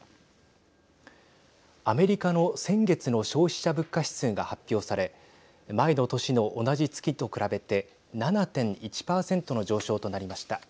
アメリカの先月の消費者物価指数が発表され前の年の同じ月と比べて７．１％の上昇となりました。